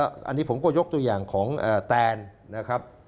อันนี้ผมก็ยกตัวอย่างของแตนนะครับ